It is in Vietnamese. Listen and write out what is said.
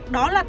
đó là tài liệu